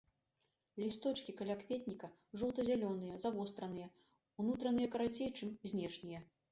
Лісточкі калякветніка жоўта-зялёныя, завостраныя, унутраныя карацей чым знешнія.